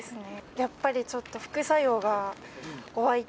やっぱりちょっと副作用が怖い。